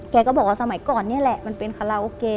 แกก็บอกว่าสมัยก่อนนี่แหละมันเป็นคาราโอเก